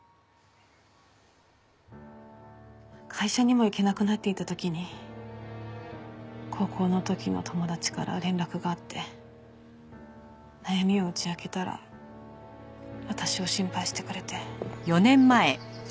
会社にも行けなくなっていた時に高校の時の友達から連絡があって悩みを打ち明けたら私を心配してくれて。